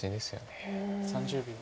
３０秒。